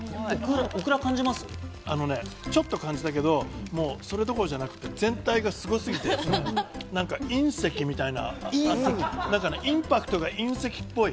オクラはちょっと感じたけど、それどころじゃなくて、全体がすごすぎて、隕石みたいな、インパクトが隕石っぽい。